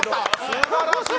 すばらしい！